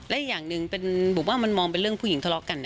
และอีกอย่างหนึ่งผมว่ามันมองเป็นเรื่องผู้หญิงทะเลาะกัน